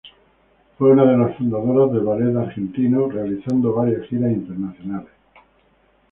Fue una de las fundadoras del ballet argentino, realizando varias giras internacionales.